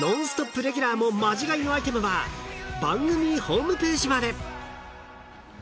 レギュラーもマジ買いのアイテムは番組ホームページまで］